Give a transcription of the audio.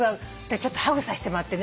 ちょっとハグさせてもらってね。